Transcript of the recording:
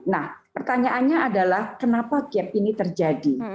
nah pertanyaannya adalah kenapa gap ini terjadi